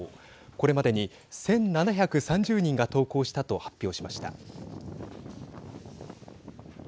これまでに１７３０人が投降したと発表しました。